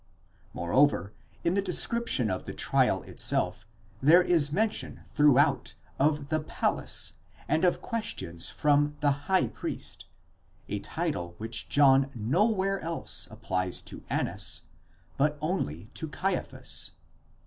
Moreover in the description of the trial itself, there is mention throughout of the palace and of questions from the Azgh priest, a title which John nowhere else applies to Annas, but only to Caiaphas.